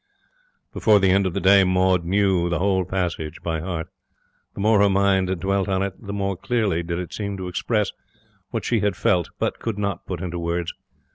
Before the end of the day Maud knew the whole passage by heart. The more her mind dwelt on it, the more clearly did it seem to express what she had felt but could not put into words.